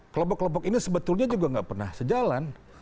kelompok kelompok ini sebetulnya juga nggak pernah sejalan